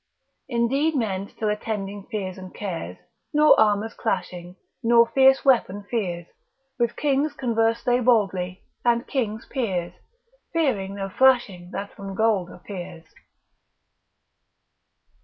Indeed men still attending fears and cares Nor armours clashing, nor fierce weapons fears: With kings converse they boldly, and kings peers, Fearing no flashing that from gold appears.